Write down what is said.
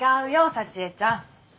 幸江ちゃん。